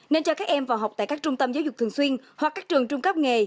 nên cho các em vào học tại các trung tâm giáo dục thường xuyên hoặc các trường trung cấp nghề